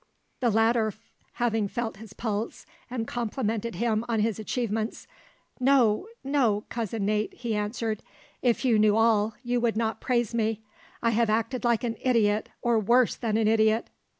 The latter having felt his pulse, and complimented him on his achievements, "No, no, Cousin Nat," he answered; "if you knew all, you would not praise me. I have acted like an idiot, or worse than an idiot."